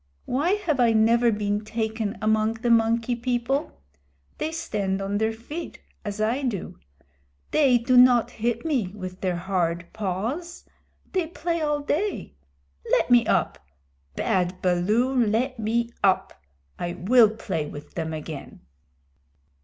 Why have I never been taken among the Monkey People? They stand on their feet as I do. They do not hit me with their hard paws. They play all day. Let me get up! Bad Baloo, let me up! I will play with them again."